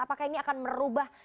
apakah ini akan merubah